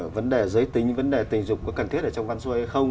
vấn đề giới tính vấn đề tình dục có cần thiết ở trong văn xuôi hay không